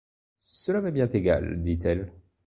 Cela m'est bien égal, dit-elle.